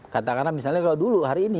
katakanlah misalnya kalau dulu hari ini